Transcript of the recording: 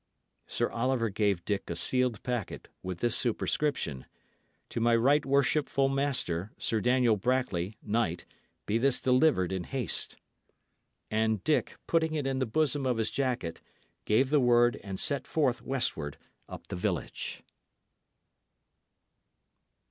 Sir Oliver gave Dick a sealed packet, with this superscription: "To my ryght worchypful master, Sir Daniel Brackley, knyght, be thys delyvered in haste." And Dick, putting it in the bosom of his jacket, gave the word and set forth westward up the village.